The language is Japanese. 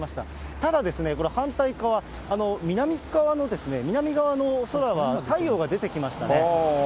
ただ、この反対側、南側の空は、太陽が出てきましたね。